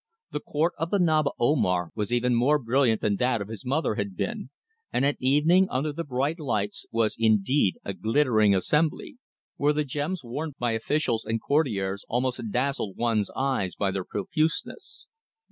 The Court of the Naba Omar was even more brilliant than that of his mother had been, and at evening, under the bright lights, was, indeed, a glittering assembly, where the gems worn by officials and courtiers almost dazzled one's eyes by their profuseness.